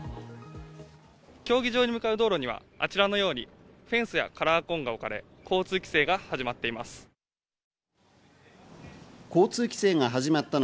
競技場に向かう道路にはあちらのようにフェンスやカラーコーンが置かれ、交通規制が始まっています。